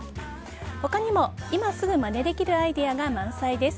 他にも今すぐまねできるアイデアが満載です。